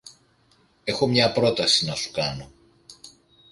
Έχω μια πρόταση να σου κάνω.